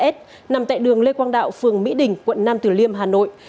hai nghìn chín trăm linh ba s nằm tại đường lê quang đạo phường mỹ đình quận năm tử liêm hà nội